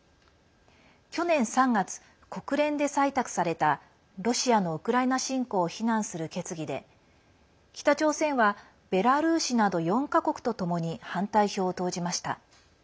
去年３月、国連で採択されたロシアのウクライナ侵攻を非難する決議で北朝鮮はベラルーシなど４か国とともに反対票を投じました。